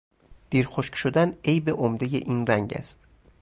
دیرخشک شدن عیب عمدهی این رنگ است.